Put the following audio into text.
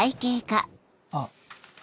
あっ。